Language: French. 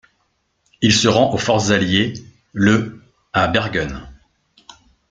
Il se rend aux forces alliées le à Bergen.